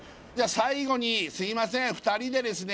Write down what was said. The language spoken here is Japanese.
最後にすいません２人でですね